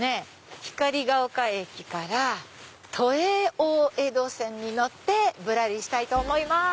光が丘駅から都営大江戸線に乗ってぶらりしたいと思います。